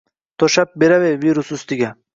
toʼshab berar virus ustiga